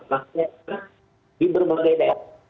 maksudnya di berbagai daerah